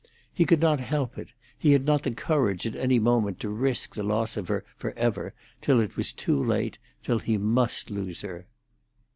He could not help it; he had not the courage at any moment to risk the loss of her for ever, till it was too late, till he must lose her.